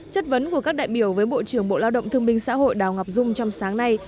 chất vấn của các đại biểu với bộ trưởng bộ lao động thương minh xã hội đào ngọc dung trong sáng nay